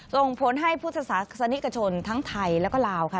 ส่งผลให้พุทธศาสนิกชนทั้งไทยแล้วก็ลาวค่ะ